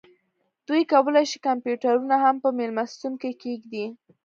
دوی کولی شي کمپیوټرونه هم په میلمستون کې کیږدي